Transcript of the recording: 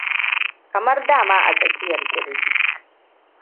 kamar dama a tsakiyar kirji